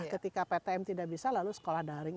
ketika ptm tidak bisa lalu sekolah daring